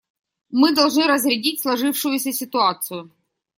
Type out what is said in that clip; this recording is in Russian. Мы должны разрядить сложившуюся ситуацию.